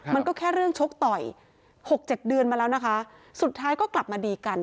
มันก็แค่เรื่องชกต่อยหกเจ็ดเดือนมาแล้วนะคะสุดท้ายก็กลับมาดีกัน